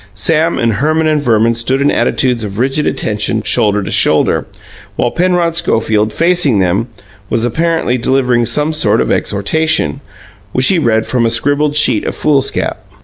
Sam and Herman and Verman stood in attitudes of rigid attention, shoulder to shoulder, while Penrod Schofield, facing them, was apparently delivering some sort of exhortation, which he read from a scribbled sheet of foolscap.